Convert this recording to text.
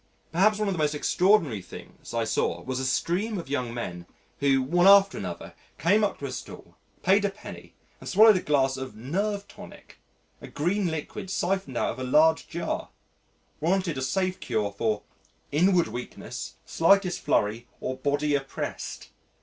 Perhaps one of the most extraordinary things I saw was a stream of young men who, one after another, came up to a stall, paid a penny and swallowed a glass of "nerve tonic" a green liquid syphoned out of a large jar warranted a safe cure for "Inward weakness, slightest flurry or body oppressed."